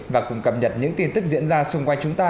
và cùng cập nhật những tin tức diễn ra xung quanh chúng ta